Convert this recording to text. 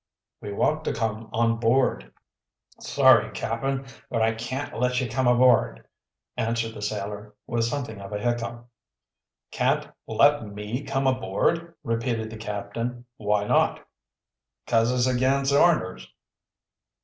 "We want to come on board." "Sorry, cap'n, but I can't let you come aboard," answered the sailor, with something of a hiccough. "Can't let me come aboard?" repeated the captain. "Why not?" "Cause it's ag'in orders."